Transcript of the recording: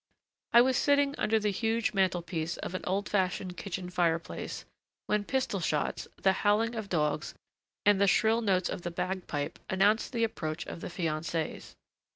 I was sitting under the huge mantel piece of an old fashioned kitchen fire place, when pistol shots, the howling of dogs, and the shrill notes of the bagpipe announced the approach of the fiancés.